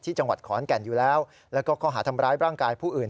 จังหวัดขอนแก่นอยู่แล้วแล้วก็ข้อหาทำร้ายร่างกายผู้อื่น